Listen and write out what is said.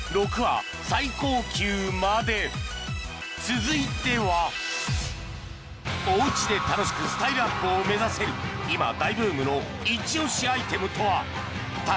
続いてはおうちで楽しくスタイルアップを目指せる今大ブームのイチ押しアイテムとは？